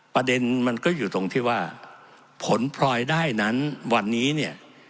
ประเด็นมันก็อยู่ตรงที่ว่าผลพลอยได้นั้นวันนี้เนี่ย